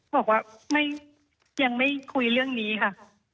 บอกว่ายังไม่คุยเรื่องนี้ค่ะ